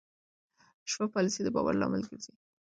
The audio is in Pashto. شفاف پالیسي د باور لامل ګرځي.